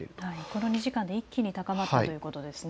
この２時間で一気に高まったということですね。